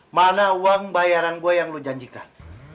mana uang bayaran gue yang lo janjikan